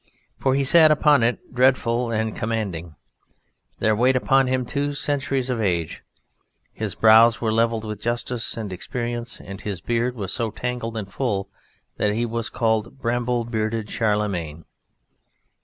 For he sat upon it, dreadful and commanding: there weighed upon him two centuries of age; his brows were level with justice and experience, and his beard was so tangled and full, that he was called "bramble bearded Charlemagne."